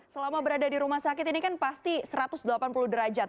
selama berada di rumah sakit ini kan pasti satu ratus delapan puluh derajat